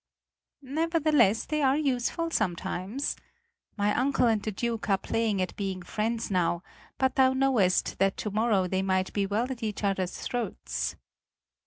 "Nevertheless they are useful sometimes. My uncle and the Duke are playing at being friends now, but thou knowest that to morrow they might well be at each other's throats."